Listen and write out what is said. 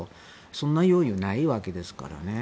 そんな猶予はないわけですから。